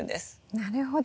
なるほど。